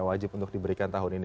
wajib untuk diberikan tahun ini